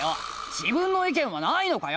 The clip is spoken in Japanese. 自分の意見はないのかよ！